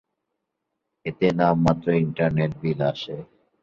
এতে নামমাত্র internet bill আসে।